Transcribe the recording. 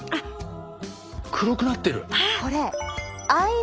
黒くなってる！